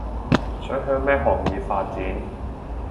想向咩行業發展